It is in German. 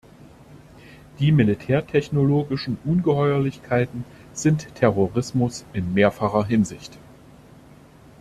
Die militärtechnologischen Ungeheuerlichkeiten sind Terrorismus in mehrfacher Hinsicht.